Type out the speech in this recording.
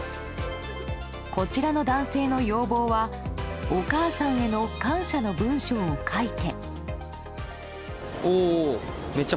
こちらの男性の要望はお母さんへの感謝の文章を書いて。